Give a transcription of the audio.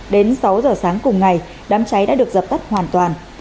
đến sáu giờ sáng cùng ngày đám cháy đã được dập tắt hoàn toàn